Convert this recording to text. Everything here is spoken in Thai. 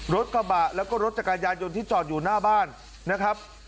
รถกระบะแล้วก็รถจักรยานยนต์ที่จอดอยู่หน้าบ้านนะครับ